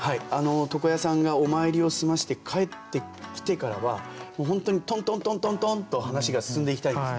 床屋さんがお参りを済ませて帰ってきてからは本当にトントントントントンと話が進んでいきたいんです。